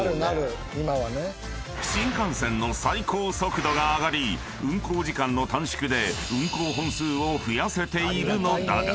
［新幹線の最高速度が上がり運行時間の短縮で運行本数を増やせているのだが］